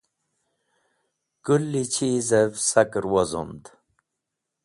Kũli chizev saker wozomd.